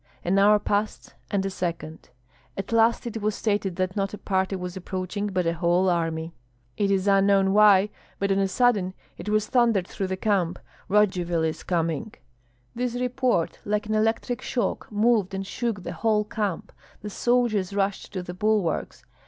An hour passed, and a second; at last it was stated that not a party was approaching, but a whole army. It is unknown why, but on a sudden it was thundered through the camp, "Radzivill is coming!" This report, like an electric shock, moved and shook the whole camp; the soldiers rushed to the bulwarks.